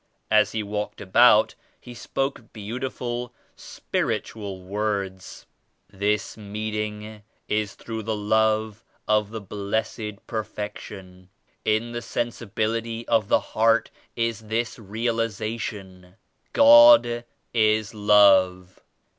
As he walked about he spoke beauti ful spiritual words: "This Meeting is through the Love of the Blessed Perfection." "In the sensibility of the heart is this realization." "God is Love!"